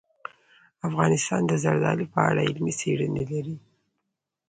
افغانستان د زردالو په اړه علمي څېړنې لري.